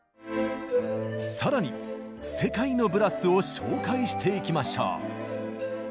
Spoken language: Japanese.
さらに世界のブラスを紹介していきましょう！